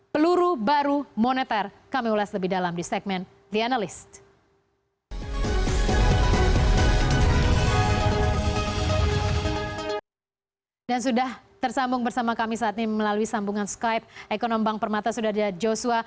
peluru baru moneter kami ulas lebih dalam di segmen the analyst